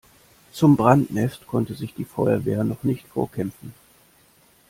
Zum Brandnest konnte sich die Feuerwehr noch nicht vorkämpfen.